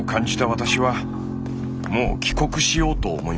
私はもう帰国しようと思いました。